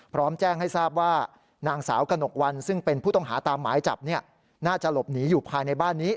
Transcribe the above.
พร้อมแจ้งให้ทราบว่านางสาวกระหนกวันซึ่งเป็นผู้ต้องหาตามหมายจับน่าจะหลบหนีอยู่ภายในบ้านนี้